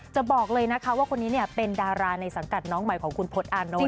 จะบอกเลยว่าคนนี้เป็นดาราในศังกรรมหน้องใหม่ของขุนพสอานนท์